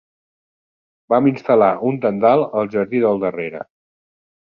Vam instal.lar un tendal al jardí del darrere.